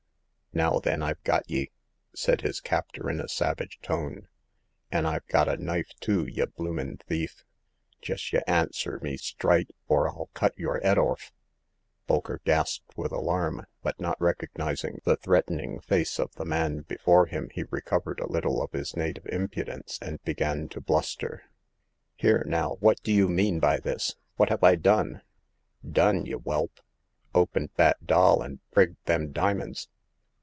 Now, then, I've got ye !" said his captor in a savage tone— an' IVe got a knife too, y' bloom in' thief ! Jes' y' answer me strite, or 111 cut yer 'ead orf !" Bolker gasped with alarm ; but, not recogniz ing the threatening face of the man before him, he recovered a little of his native impudence, and began to bluster. The Seventh Customer. 193 " Here, now, what do you mean by this ? What have I done ?"Done, y' whelp ! Opened that doll an' prigged them dimins